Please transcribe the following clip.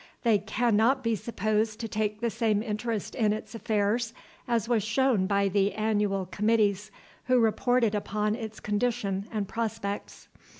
They cannot be supposed to take the same interest in its affairs as was shown by the Annual Committees who reported upon its condition and prospects.